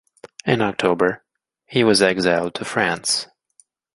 In October, he was exiled to France.